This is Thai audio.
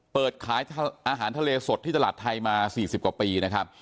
เปิดขายอาหารทะเลสดที่ตลาดไทยมา๔๐กว่าปีนะครับ